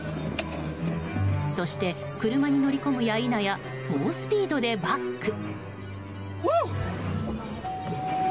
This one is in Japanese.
そして、車に乗り込むや否や猛スピードでバック。